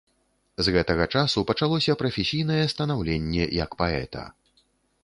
З гэтага часу пачалося прафесійнае станаўленне як паэта.